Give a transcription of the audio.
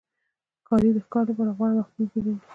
ښکاري د ښکار لپاره غوره وختونه پېژني.